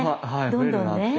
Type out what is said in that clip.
どんどんね。